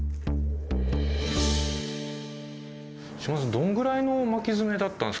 どのぐらいの巻きヅメだったんですか？